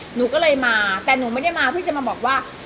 หนูก็เลยมาแต่หนูไม่ได้มาเพื่อจะมาบอกว่า